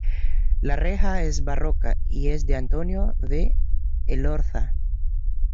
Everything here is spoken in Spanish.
La reja es barroca y es de Antonio de Elorza.